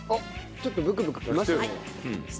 ちょっとブクブクきましたね。